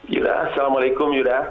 yudha assalamualaikum yudha